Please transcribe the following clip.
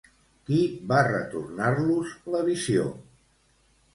Qui va retornar-los la visió?